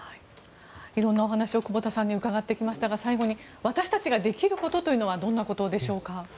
色んなお話を久保田さんに伺ってきましたが最後に私たちができることというのはどんなことでしょうか。